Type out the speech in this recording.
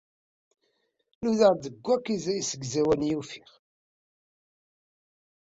Nudaɣ deg wakk isegzawalen i ufiɣ.